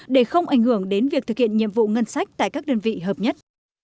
để không ảnh hưởng đến việc thực hiện nhiệm vụ ngân sách tại các đơn vị hợp nhất